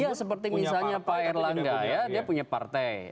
iya seperti misalnya pak erlangga ya dia punya partai